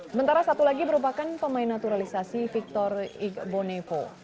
sementara satu lagi merupakan pemain naturalisasi victor igbonevo